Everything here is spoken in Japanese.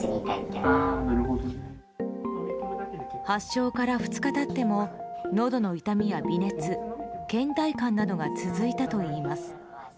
発症から２日経ってものどの痛みや微熱倦怠感などが続いたといいます。